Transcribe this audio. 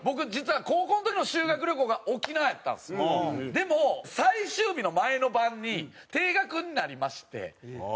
でも最終日の前の晩に停学になりまして。